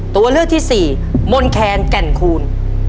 ตัวเลือกที่สี่มนแคนแก่นคูณ